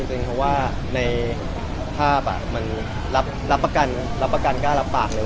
เพราะถ้าครับรับประกันการรับปากเลย